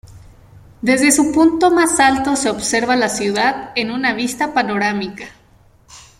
Desde su punto más alto se observa la ciudad en una vista panorámica.